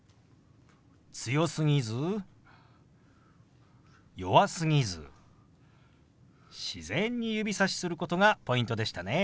強すぎず弱すぎず自然に指さしすることがポイントでしたね。